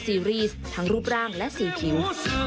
ซีรีส์ทั้งรูปร่างและสีผิว